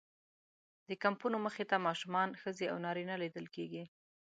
د کمپونو مخې ته ماشومان، ښځې او نارینه لیدل کېږي.